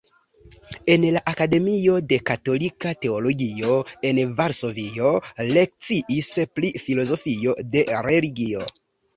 En la Akademio de Katolika Teologio en Varsovio lekciis pri filozofio de religio.